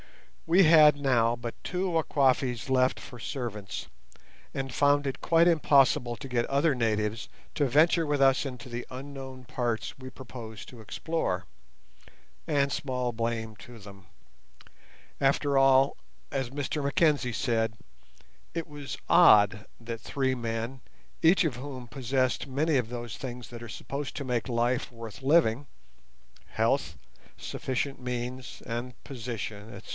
We had now but two Wakwafis left for servants, and found it quite impossible to get other natives to venture with us into the unknown parts we proposed to explore—and small blame to them. After all, as Mr Mackenzie said, it was odd that three men, each of whom possessed many of those things that are supposed to make life worth living—health, sufficient means, and position, etc.